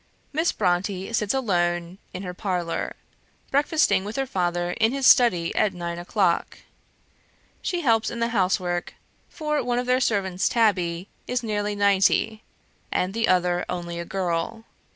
Miss Brontë sits alone in her parlour; breakfasting with her father in his study at nine o'clock. She helps in the housework; for one of their servants, Tabby, is nearly ninety, and the other only a girl.